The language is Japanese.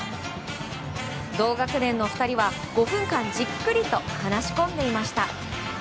同学年の２人は、５分間じっくりと話し込んでいました。